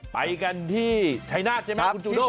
ไปกันที่ชัยนาธิใช่ไหมคุณจูด้ง